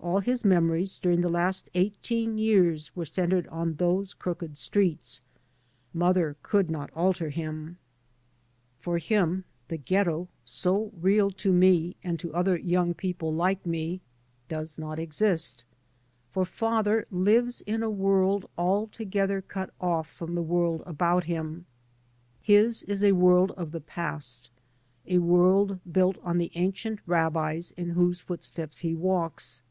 All his memories during the last eighteen years were centred in those crooked streets. Mother could not alter him. For 3 by Google MY MOTHER AND I him the ghetto, so real to me and to other young people like me, does not exist. For father lives in a world altogether cut ofi from the world about him; his is a world of the past, a world built by the ancient rabbis in whose footsteps he walks.